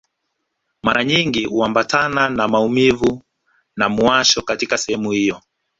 Mara nyingi huambatana na maumivu na muwasho katika sehemu hiyo